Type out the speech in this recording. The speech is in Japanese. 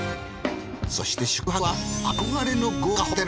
そして宿泊は憧れの豪華ホテル。